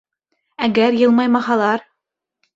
— Әгәр йылмаймаһалар?